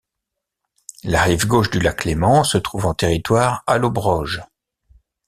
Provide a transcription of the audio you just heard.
La rive gauche du lac Léman se trouve en territoire allobroge.